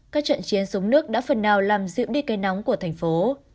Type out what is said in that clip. các trận chiến nước đã phần nào làm dịu đi cây nóng của thành phố